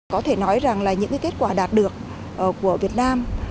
có thể nói rằng là những kết quả đạt được của việt nam